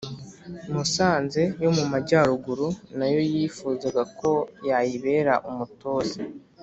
musanze yo mu majyaruguru, na yo yifuzaga ko yayibera umutoza.